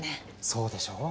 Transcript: そうでしょう？